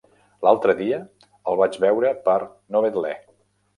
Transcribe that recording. L'altre dia el vaig veure per Novetlè.